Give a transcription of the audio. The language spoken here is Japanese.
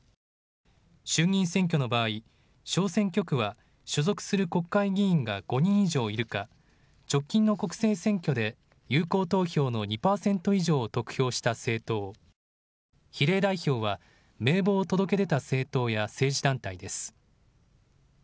衆議院選挙の場合、小選挙区は所属する国会議員が５人以上いるか直近の国政選挙で有効投票の２％以上を得票した政党、比例代表は名簿を届け出た政党や政治団体です。